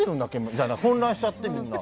みたいな混乱しちゃって、みんな。